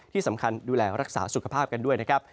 ที่สำคัญดูแลรักษาสุขภาพกันด้วยนะครับ